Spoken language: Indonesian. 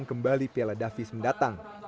dan kembali piala davis mendatang